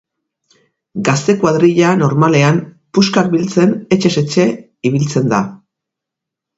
Gazte kuadrilla normalean puskak biltzen etxez etxe ibiltzen da.